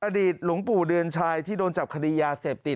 อดีตหลวงปู่เดือนชัยที่โดนจับคดียาเสพติด